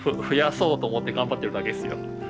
増やそうと思って頑張ってるだけですよ。